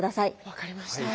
分かりました。